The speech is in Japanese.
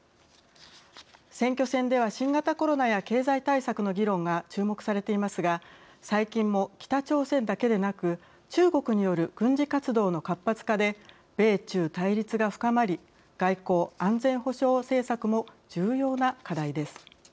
選挙戦では新型コロナや経済対策の議論が注目されていますが最近も北朝鮮だけでなく中国による軍事活動の活発化で米中対立が深まり外交・安全保障政策も重要な課題です。